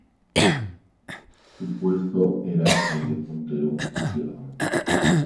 Su puesto era el de puntero izquierdo.